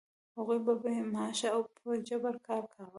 هغوی به بې معاشه او په جبر کار کاوه.